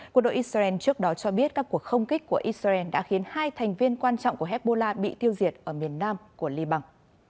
quân đội israel trước đó cho biết các cuộc không kích của israel đã khiến hai thành viên quan trọng của hezbollah bị tiêu diệt ở miền nam của liban